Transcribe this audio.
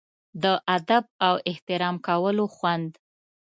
د ادب او احترام کولو خوند.